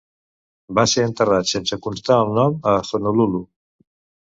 Va ser enterrat sense constar el nom a Honolulu.